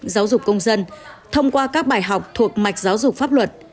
giáo dục công dân thông qua các bài học thuộc mạch giáo dục pháp luật